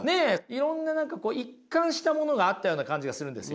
いろんな何か一貫したものがあったような感じがするんですよ。